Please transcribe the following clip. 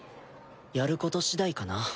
やることしだいかな。